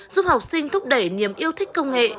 giúp học sinh thúc đẩy niềm yêu thích công nghệ